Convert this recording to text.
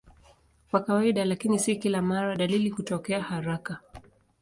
Kwa kawaida, lakini si kila mara, dalili hutokea haraka.